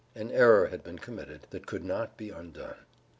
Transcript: An error had been committed, that could not be undone!